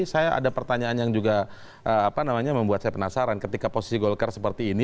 saya ada pertanyaan yang juga membuat saya penasaran ketika posisi golkar seperti ini